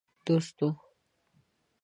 دوست وو.